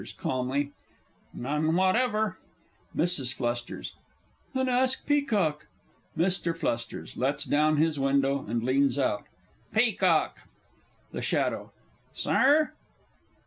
(calmly). None whatever. MRS. F. Then ask Peacock. MR. F. (lets down his window, and leans out). Peacock! THE SHADOW. Sir?